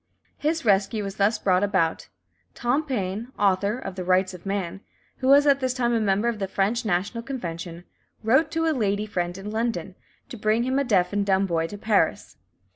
His rescue was thus brought about: Tom Paine, author of "The Rights of Man," who was at this time a member of the French National Convention, wrote to a lady friend in London, to bring him a deaf and dumb boy to Paris.